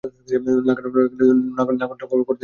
নাগর নদ করতোয়া নদীর শাখা নদী।